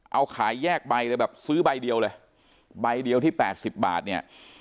เอาขายแยกใบเลยแบบซื้อใบเดียวเลยใบเดียวที่๘๐บาทเนี่ย